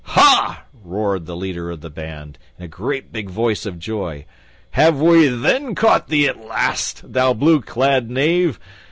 "Ha!" roared the leader of the band in a great big voice of joy, "have we then caught thee at last, thou blue clad knave?